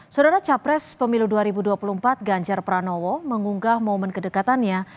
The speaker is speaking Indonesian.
saudara capres pemilu dua ribu dua puluh empat ganjar pranowo mengunggah momen kedekatannya